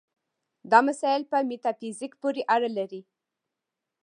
دا مسایل په میتافیزیک پورې اړه لري.